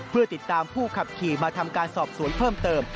เพื่อติดตามผู้ขับขี่มาทำการสอบสวนเพิ่มเติม